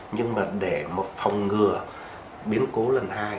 nhưng mà để mà phòng ngừa biến cố lần hai